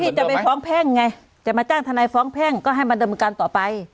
จะไปฟ้องแพ่งไงจะมาจ้างทนายฟ้องแพ่งก็ให้มาดำเนินการต่อไป